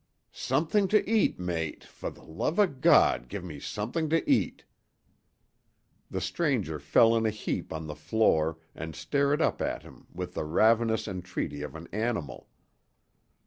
"Something to eat, mate, for the love o' God give me something to eat!" The stranger fell in a heap on the floor and stared up at him with the ravenous entreaty of an animal.